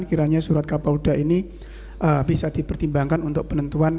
kiranya surat kapolda ini bisa dipertimbangkan untuk penentuan